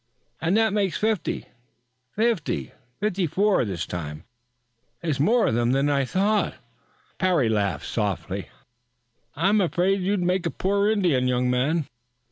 "And that makes fifty fifty fifty four this time. There's more of them than I thought." Parry laughed softly. "I'm afraid you'd make a poor Indian, young man.